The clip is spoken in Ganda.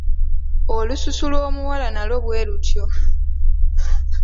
Olususu lw'omuwala nalwo bwe lutyo.